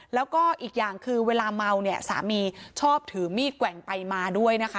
แล้วก็อีกอย่างคือเวลาเมาเนี่ยสามีชอบถือมีดแกว่งไปมาด้วยนะคะ